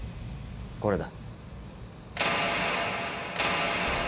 これだ。